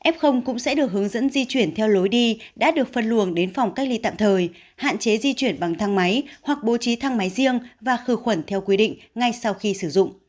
f cũng sẽ được hướng dẫn di chuyển theo lối đi đã được phân luồng đến phòng cách ly tạm thời hạn chế di chuyển bằng thang máy hoặc bố trí thang máy riêng và khử khuẩn theo quy định ngay sau khi sử dụng